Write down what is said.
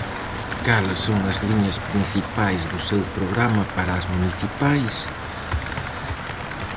Cales son as liñas principais do seu programa para as municipais?